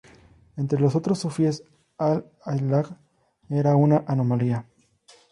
Entre los otros sufíes, Al-Hallaj era una anomalía.